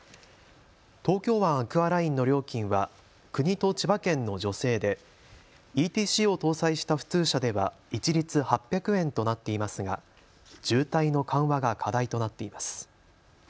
東京湾アクアラインの料金は国と千葉県の助成でＥＴＣを搭載した普通車では一律８００円となっていますが渋滞の緩和が課題となっています。